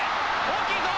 大きいぞ！